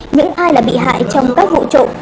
những ai là bị hại trong các vụ trộm